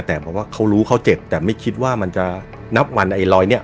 แต่เพราะว่าเขารู้เขาเจ็บแต่ไม่คิดว่ามันจะนับวันไอ้รอยเนี่ย